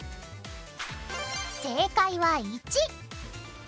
正解は「１」。